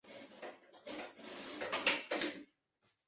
欧洲无须鳕为辐鳍鱼纲鳕形目无须鳕科的其中一种。